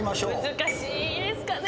難しいですかね。